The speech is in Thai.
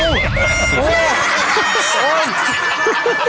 หยีบศพนั้นเองอยู่ที่โรงงานอยู่ไหม